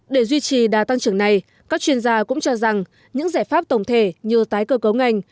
để duy trì đa tăng trưởng này các chuyên gia cũng cho rằng những giải pháp tổng thể như tái cơ cấu ngành